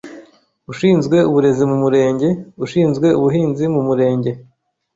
Ushinzwe uburezi mu Murenge; Ushinzwe ubuhinzi mu Murenge;